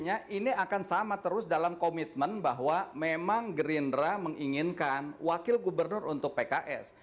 saya akan bersama terus dalam komitmen bahwa memang gerindra menginginkan wakil gubernur untuk pks